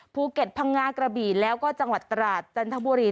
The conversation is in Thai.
ภูเก็ตพังงากระบี่แล้วก็จังหวัดตราดจันทบุรี